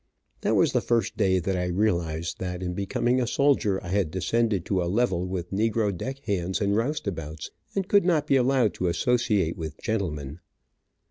That was the first day that I realized that in becoming a soldier I had descended to a level with negro deck hands and roustabouts, and could not be allowed to associate with gentlemen.